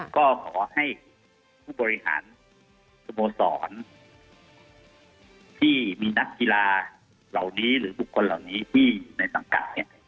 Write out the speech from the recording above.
ก็ขอให้ผู้บริหารสโมสรที่มีนักกีฬาเหล่านี้หรือบุคคลเหล่านี้ที่อยู่ในสังกัดเนี่ย